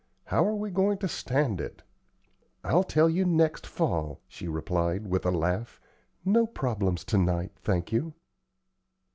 How are we going to stand it?" "I'll tell you next fall," she replied, with a laugh. "No problems to night, thank you."